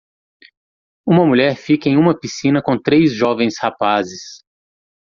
Uma mulher fica em uma piscina com três jovens rapazes.